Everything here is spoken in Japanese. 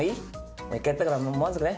もう一回やったから満足ね。